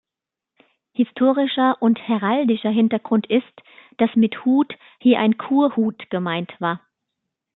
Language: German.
Historischer und heraldischer Hintergrund ist, dass mit „Hut“ hier ein Kurhut gemeint war.